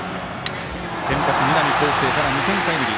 先発、南恒誠から２点タイムリー。